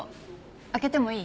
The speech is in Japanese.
開けてもいい？